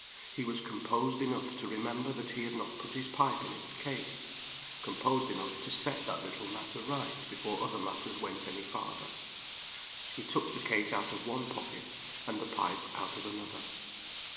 He was composed enough to remember that he had not put his pipe in its case composed enough to set that little matter right before other matters went any farther. He took the case out of one pocket, and the pipe out of another.